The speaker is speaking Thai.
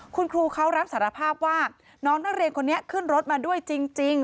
คุณครูเขารับสารภาพว่าน้องนักเรียนคนนี้ขึ้นรถมาด้วยจริง